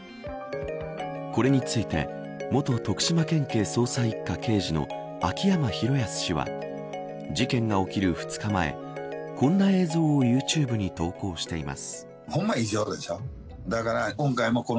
これについて元徳島県警捜査一課刑事の秋山博康氏は事件が起きる２日前こんな映像をユーチューブに投稿しています。